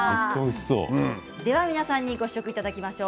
では皆さんにご試食いただきましょう。